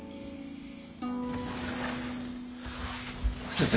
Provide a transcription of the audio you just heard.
先生。